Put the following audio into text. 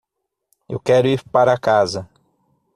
Eu quero ir para casa